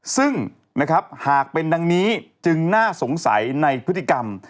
ซึ่งนะครับหากเป็นดังนี้จึงน่าสงสัยในพฤติกรรม